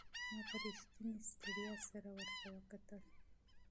ما په رښتینې ستړیا سره ورته وکتل.